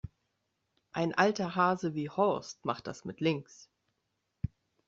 Ein alter Hase wie Horst macht das mit links.